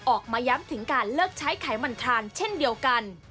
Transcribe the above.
ออกมาย้ำถึงการเลิกใช้ไขมันทานเช่นเดียวกัน